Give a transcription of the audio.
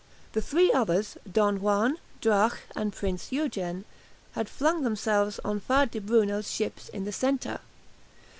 The three others, "Don Juan," "Drache," and "Prinz Eugen," had flung themselves on Faa di Bruno's ships in the centre.